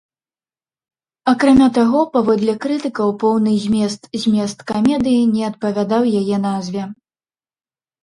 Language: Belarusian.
Акрамя таго, паводле крытыкаў, поўны змест змест камедыі не адпавядаў яе назве.